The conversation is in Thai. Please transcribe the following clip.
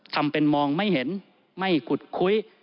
ทำเป็นมองไม่เห็นไม่ขุดคุ้ย